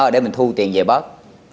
để mình thu tiền về bớt